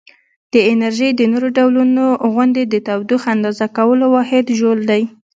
د انرژي د نورو ډولونو غوندې د تودوخې اندازه کولو واحد ژول دی.